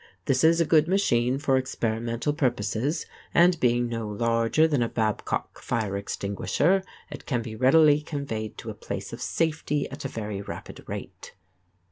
This is a good machine for experimental purposes, and being no larger than a Babcock fire extinguisher it can be readily conveyed to a place of safety at a very rapid rate.